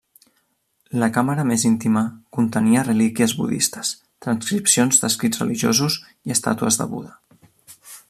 La càmera més íntima contenia relíquies budistes, transcripcions d'escrits religiosos i estàtues de Buda.